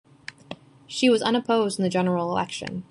She was unopposed in the general election.